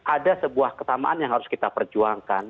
ada sebuah kesamaan yang harus kita perjuangkan